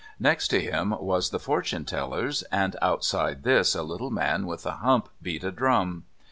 Next to him was the Fortune Teller's, and outside this a little man with a hump beat a drum.